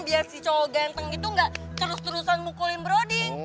biar si cowo ganteng itu gak terus terusan mukulin brody